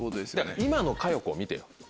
今の佳代子を見てよ。